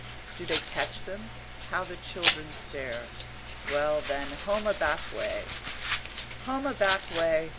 Do they catch them? How the children stare! Well, then home a back way "Home a back way!"